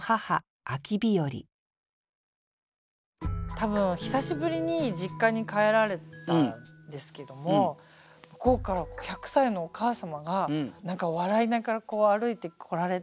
多分久しぶりに実家に帰られたんですけども向こうから百歳のお母様が何か笑いながら歩いて来られた。